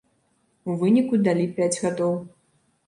У выніку далі пяць гадоў.